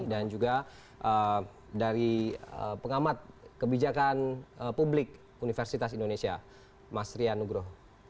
dan juga dari pengamat kebijakan publik universitas indonesia mas rianugroh